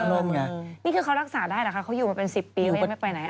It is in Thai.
นี่คือเขารักษาได้เหรอคะเขาอยู่มาเป็น๑๐ปีเขายังไม่ไปไหน